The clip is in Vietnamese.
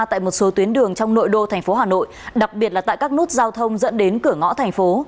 tại một số tuyến đường trong nội đô thành phố hà nội đặc biệt là tại các nút giao thông dẫn đến cửa ngõ thành phố